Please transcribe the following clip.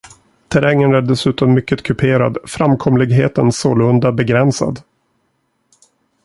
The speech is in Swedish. Terrängen är dessutom mycket kuperad, framkomligheten sålunda begränsad.